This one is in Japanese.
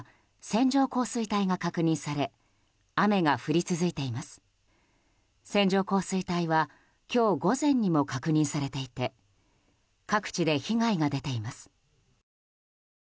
線状降水帯は今日午前にも確認されていて各地で被害が出ています。